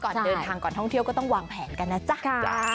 ก่อนเดินทางก่อนท่องเที่ยวก็ต้องวางแผนกันนะจ๊ะ